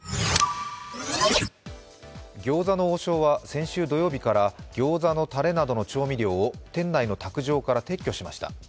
餃子の王将は先週の土曜日からギョーザのたれなどの調味料を店内の卓上から撤去しました。